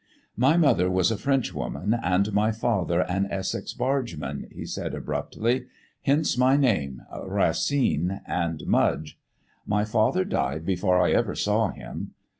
"My mother was a Frenchwoman, and my father an Essex bargeman," he said abruptly. "Hence my name Racine and Mudge. My father died before I ever saw him.